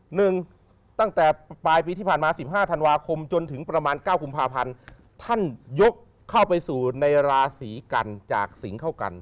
หนึ่งตั้งแต่ปลายปีที่ผ่านมา๑๕ทำวาคมจนถึงประมาณ๙กุมภาพรรณท่านยกเข้าไปสู่ในราศีกันจากสิงข้างกัน